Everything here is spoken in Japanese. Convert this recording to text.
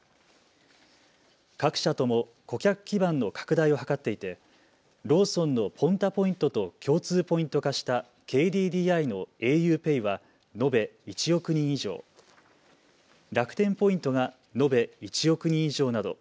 各社とも顧客基盤の拡大を図っていてローソンのＰｏｎｔａポイントと共通ポイント化したＫＤＤＩのａｕペイは延べ１億人以上、楽天ポイントが延べ１億人以上など。